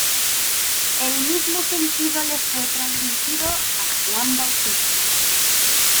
El mismo sentido le fue transmitido a "Juan Bautista".